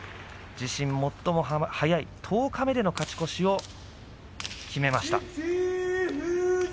自身最も早い十日目での勝ち越しを決めました。